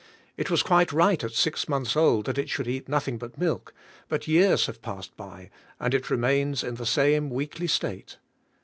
It was quite right at six months old that it should eat nothing but milk; but years have passed by, and it remains in the same weakly state.